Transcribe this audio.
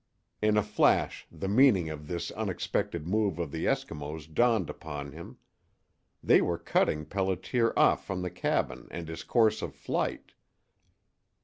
In a flash the meaning of this unexpected move of the Eskimos dawned upon him. They were cutting Pelliter off from the cabin and his course of flight.